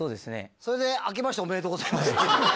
それで「あけましておめでとうございます」。